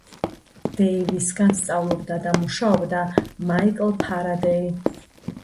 დეივისთან სწავლობდა და მუშაობდა მაიკლ ფარადეი.